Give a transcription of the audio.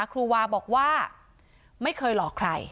ครูวาบอกว่าไม่เคยหลอกใคร